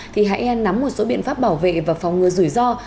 thì hãy nắm một số biện pháp bảo vệ và phòng ngừa rủi ro